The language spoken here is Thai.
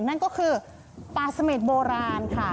นั่นก็คือปลาสเม็ดโบราณค่ะ